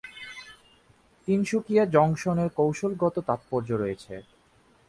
Tinsukia junction এর কৌশলগত তাৎপর্য রয়েছে।